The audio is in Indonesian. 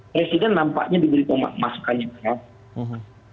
presiden nampaknya diberi pemasukannya